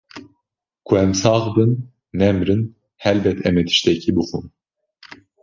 Ku em sax bin nemrin helbet em ê tiştekî bixwin.